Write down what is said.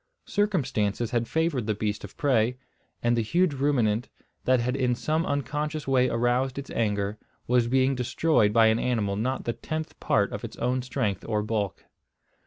Circumstances had favoured the beast of prey; and the huge ruminant, that had in some unconscious way aroused its anger, was being destroyed by an animal not the tenth part of its own strength or bulk.